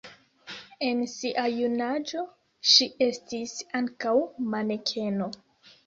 En sia junaĝo ŝi estis ankaŭ manekeno.